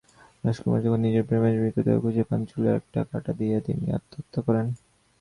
রাজকুমারী যখন নিজের প্রেমিকের মৃতদেহ খুঁজে পান চুলের একটা কাঁটা দিয়ে তিনি আত্মহত্যা করেন।